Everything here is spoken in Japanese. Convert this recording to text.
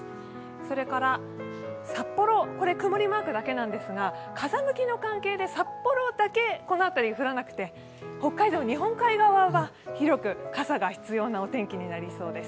それから札幌、曇りマークだけなんですが、風向きの関係で札幌だけ、この辺り降らなくて北海道、日本海側は広く傘が必要なお天気になりそうです。